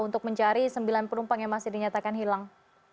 untuk mencari sembilan penumpang yang masih dinyatakan hilang